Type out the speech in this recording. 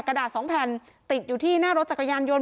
กระดาษสองแผ่นติดอยู่ที่หน้ารถจักรยานยนต